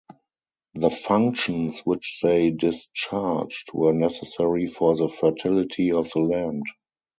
The functions which they discharged were necessary for the fertility of the land.